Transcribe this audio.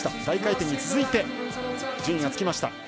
大回転に続いて順位がつきました。